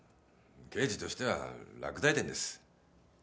刑事としては落第点です。